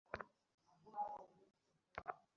তারা আমাদের দেখে ফেলবে।